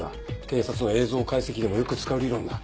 警察の映像解析でもよく使う理論だ。